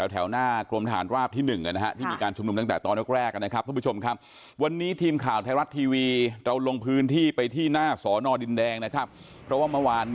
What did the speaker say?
แถวหน้ากรมฐานราบที่๑นะครับ